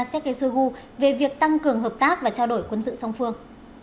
sergei shoigu về việc tăng cường hợp tác và trao đổi quân sự song phương